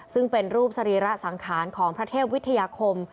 ซึ่งเป็นรูปสรีระสังขารของพระเทพวิทยาคม